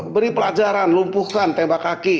beri pelajaran lumpuhkan tembak kaki